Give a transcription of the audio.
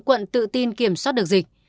quận tự tin kiểm soát được dịch